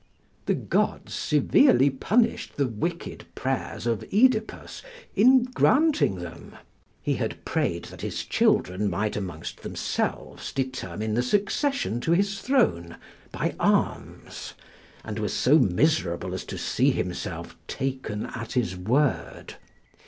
] The gods severely punished the wicked prayers of OEdipus in granting them: he had prayed that his children might amongst themselves determine the succession to his throne by arms, and was so miserable as to see himself taken at his word.